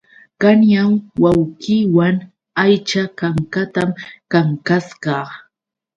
Qanyan wawqiiwan aycha kankatam kankasqa.